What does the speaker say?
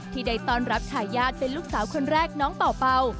ที่ได้ต้อนรับทายาทเป็นลูกสาวคนแรกน้องเป่าเป่า